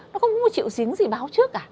nó không có triệu trứng gì báo trước cả